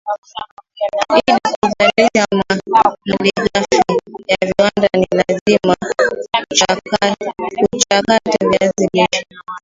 Ili Kuzalisha malighafi ya viwanda ni lazima kuchakata viazi lishe